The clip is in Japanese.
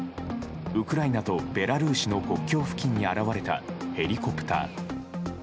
ウクライナとベラルーシの国境付近に現れたヘリコプター。